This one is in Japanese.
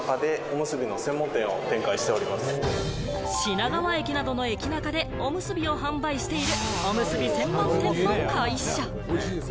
品川駅などの駅ナカでおむすびを販売している、おむすび専門店の会社。